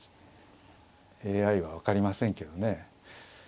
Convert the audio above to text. ＡＩは分かりませんけどね。